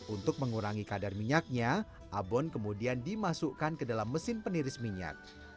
untuk mengurangi kadar minyaknya abon kemudian dimasukkan ke dalam mesin peniris minyak